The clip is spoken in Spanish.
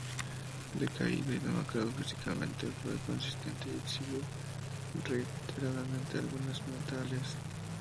Decaído y demacrado físicamente, fue inconsistente y exhibió reiteradamente lagunas mentales.